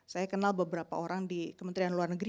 saya kenal beberapa orang di kementerian luar negeri